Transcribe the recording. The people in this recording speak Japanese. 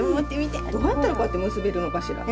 どうやったらこうやって結べるのかしら。